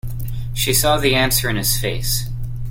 She saw the answer in his face.